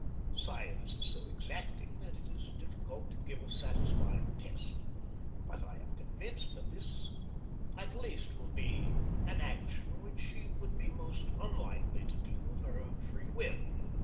Science is so exacting that it is difficult to give a satisfying test, but I am convinced that this at least will be an action which she would be most unlikely to do of her own free will.